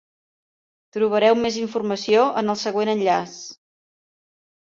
Trobareu més informació en el següent enllaç.